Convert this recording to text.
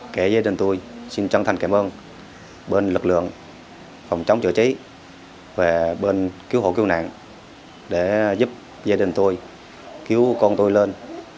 kể gia đình tôi xin chân thành cảm ơn bên lực lượng phòng chống chữa cháy và bên cứu hộ cứu nạn để giúp gia đình tôi cứu con tôi lên